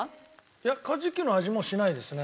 いやカジキの味もしないですね。